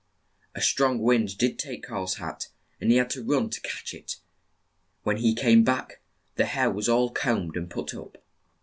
A strong wind did take Karl's hat, and he had to run to catch it. When he came back, the hair was all combed and put up.